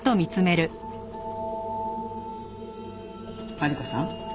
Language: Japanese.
マリコさん。